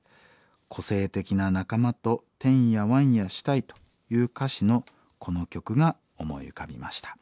『個性的な仲間とてんやわんやしたい』という歌詞のこの曲が思い浮かびました。